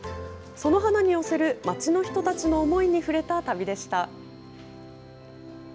その花に寄せる町の人たちの思いに触れた旅でした。